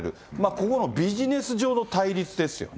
ここのビジネス上の対立ですよね。